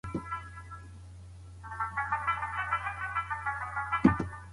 افغان ښوونکي د نړیوالو ډیپلوماټانو سره لیدنه نه سي کولای.